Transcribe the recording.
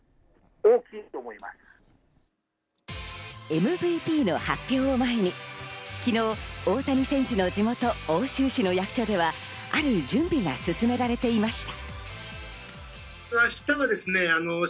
ＭＶＰの発表を前に昨日、大谷選手の地元・奥州市の役所ではある準備が進められていました。